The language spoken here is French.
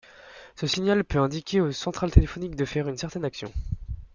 Ce signal peut indiquer au central téléphonique de faire une certaine action.